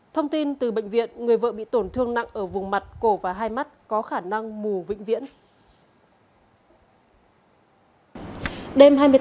thông tin từ bệnh viện người vợ bị tổn thương nặng ở vùng mặt cổ và hai mắt có khả năng mù vĩnh viễn